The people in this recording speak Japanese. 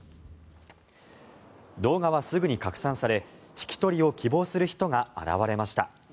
動画はすぐに拡散され引き取りを希望する人が現れました。